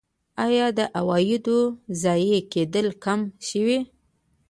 آیا د عوایدو ضایع کیدل کم شوي؟